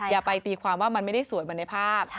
อย่าไปตีความว่ามันไม่ได้สวยเหมือนในภาพ